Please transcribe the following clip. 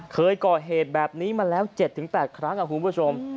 เคยก่อเหตุแบบนี้มาแล้ว๗๘ครั้งคุณผู้ชม